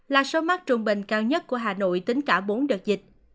là số mắc trung bình cao nhất của hà nội tính cả bốn đợt dịch